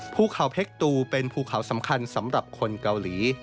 ภูเขาเพชรตูเป็นภูเขาสำคัญสำหรับคนเกาหลี